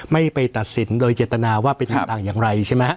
ไม่ไปตัดสินโดยเจตนาว่าเป็นต่างอย่างไรใช่ไหมฮะ